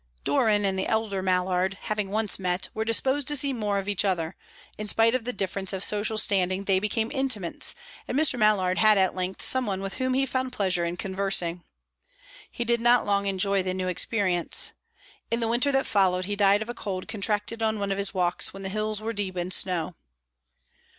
Doran and the elder Mallard, having once met, were disposed to see more of each other; in spite of the difference of social standing, they became intimates, and Mr. Mallard had at length some one with whom he found pleasure in conversing. He did not long enjoy the new experience. In the winter that followed, he died of a cold contracted on one of his walks when the hills were deep in snow.